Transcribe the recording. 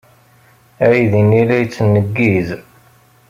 Aydi-nni la yettneggiz.